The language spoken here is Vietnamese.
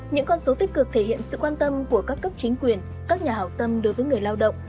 những con số tích cực thể hiện sự quan tâm của các cấp chính quyền các nhà hảo tâm đối với người lao động